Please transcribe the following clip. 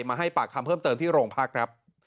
มาให้ปากคำเพิ่มเติมที่โรงพักครับ